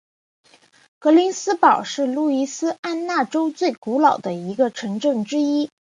格林斯堡是路易斯安那州最古老的城镇之一。